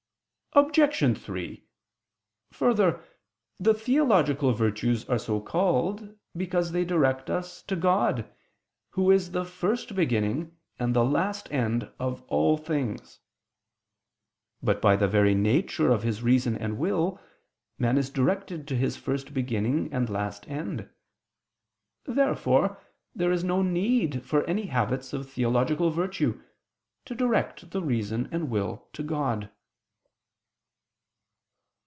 Obj. 3: Further, the theological virtues are so called because they direct us to God, Who is the first beginning and last end of all things. But by the very nature of his reason and will, man is directed to his first beginning and last end. Therefore there is no need for any habits of theological virtue, to direct the reason and will to God.